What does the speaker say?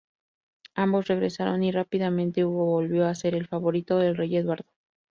Ambos regresaron y rápidamente Hugo volvió a ser el favorito del rey Eduardo.